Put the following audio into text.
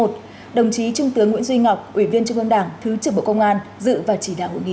đồng chí trung tướng nguyễn duy ngọc ủy viên trung ương đảng thứ trưởng bộ công an dự và chỉ đạo hội nghị